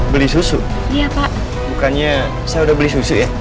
beli susu iya pak bukannya saya udah beli susu ya